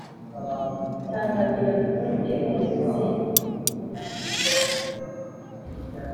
Tambagira Rutonde Wibuze kuhatinda